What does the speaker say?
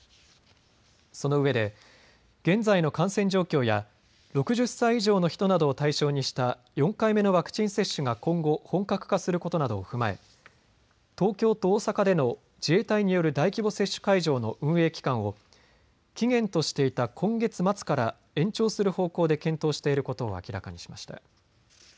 そのうえで、現在の感染状況や６０歳以上の人などを対象にした４回目のワクチン接種が今後、本格化することなどを踏まえ東京と大阪での自衛隊による大規模接種会場の運営期間を期限としていた今月末から延長する方向で検討していることを明らかにしました。